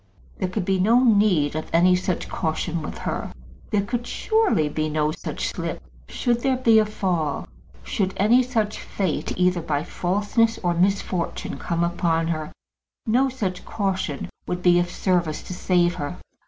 There could be no need of any such caution with her. There could surely be no such slip! Should there be such a fall, should any such fate, either by falseness or misfortune, come upon her, no such caution could be of service to save her.